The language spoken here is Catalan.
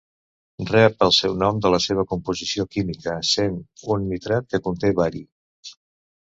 Rep el seu nom de la seva composició química, sent un nitrat que conté bari.